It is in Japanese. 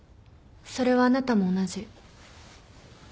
それはあなたも同じ。